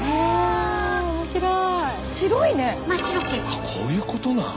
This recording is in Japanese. あっこういうことなん？